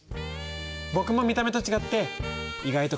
僕も見た目と違って意外と簡単なの。